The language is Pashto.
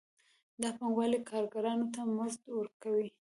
دا پانګوال کارګرانو ته مزد ورکوي